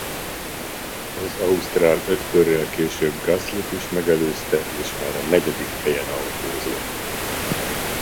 Az ausztrál öt körrel később Gaslyt is megelőzte és már a negyedik helyen autózott.